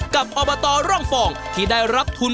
อบตร่องฟองที่ได้รับทุน